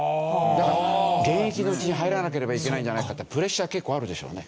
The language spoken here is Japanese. だから現役のうちに入らなければいけないんじゃないかってプレッシャー結構あるでしょうね。